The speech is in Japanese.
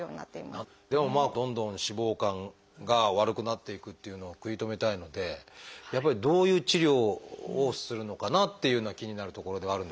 でもどんどん脂肪肝が悪くなっていくっていうのを食い止めたいのでどういう治療をするのかなっていうのが気になるところではあるんですが。